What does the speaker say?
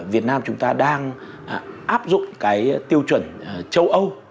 việt nam chúng ta đang áp dụng cái tiêu chuẩn châu âu